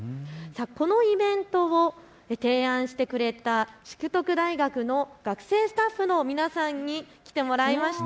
このイベント、提案してくれた淑徳大学の学生スタッフの皆さんに来てもらいました。